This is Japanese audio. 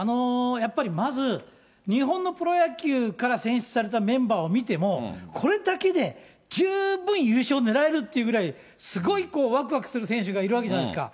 やっぱりまず、日本のプロ野球から選出されたメンバーを見ても、これだけで十分優勝ねらえるってぐらいすごいわくわくする選手がいるわけじゃないですか。